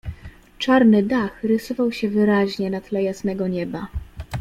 "Czarny dach rysował się wyraźnie na tle jasnego nieba."